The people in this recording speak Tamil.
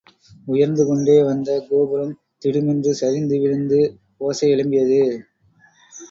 உயர்ந்து கொண்டே வந்த கோபுரம் திடுமென்று சரிந்து விழுந்து ஓசை எழும்பியது.